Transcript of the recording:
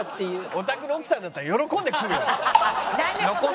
お宅の奥さんだったら喜んで食うよ。